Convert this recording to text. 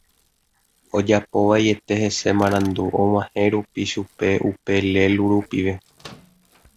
ojapovaiete hese marandu og̃uahẽ rupi chupe upe lélu rupive